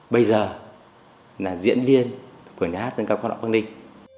bây giờ là diễn viên của nhà hát dân cao quan hậu bắc ninh